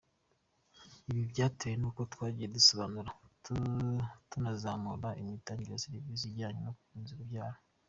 Ibi byatewe n’uko twagiye dusobanura, tunazamura imitangire ya serivisi zijyanye no kuboneza urubyaro.